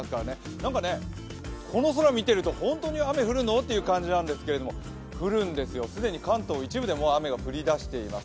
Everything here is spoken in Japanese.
何かね、この空見てると本当に雨降るの？って感じなんですけれども降るんですよ、既に関東一部で雨が降りだしています。